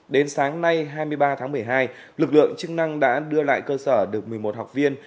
đến sáng nay hai mươi ba tháng một mươi hai lực lượng chức năng đã đưa lại cơ sở được một mươi một học viên